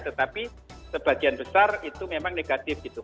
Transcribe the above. tetapi sebagian besar itu memang negatif gitu